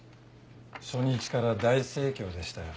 初日から大盛況でしたよ。